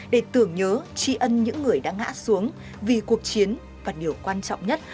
để tưởng nhớ tri ân những người đã ngã xuống vì cuộc chiến và điều quan trọng nhất